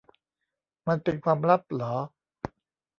มันเป็นความลับหรอ